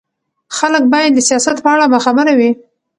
خلک باید د سیاست په اړه باخبره وي